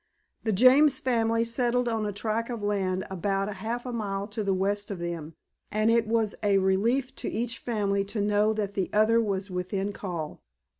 The James family settled on a tract of land about half a mile to the west of them, and it was a relief to each family to know that the other was within call.